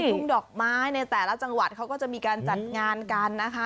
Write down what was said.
ทุ่งดอกไม้ในแต่ละจังหวัดเขาก็จะมีการจัดงานกันนะคะ